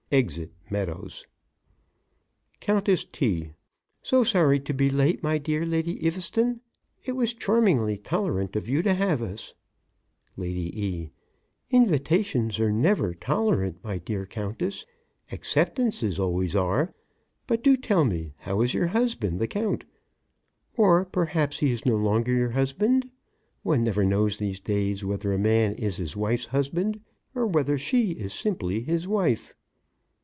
(Exit Meadows) COUNTESS T.: So sorry to be late, my dear Lady Eaveston. It was charmingly tolerant of you to have us. LADY E.: Invitations are never tolerant, my dear Countess; acceptances always are. But do tell me, how is your husband, the Count, or perhaps he is no longer your husband. One never knows these days whether a man is his wife's husband or whether she is simply his wife.